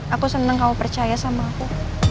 aku senang kamu percaya sama aku